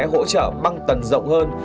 hỗ trợ băng tầng rộng hơn